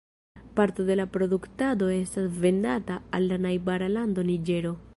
Parto de la produktado estas vendata al la najbara lando Niĝero.